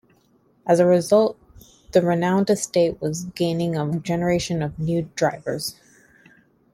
As a result, the renowned estate was gaining a generation of new drivers.